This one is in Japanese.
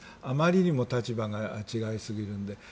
あまりにも立場が違いすぎるので。